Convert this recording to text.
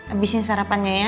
abisin sarapannya ya